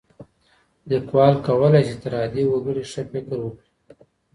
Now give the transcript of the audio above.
ليکوال کولای سي تر عادي وګړي ښه فکر وکړي.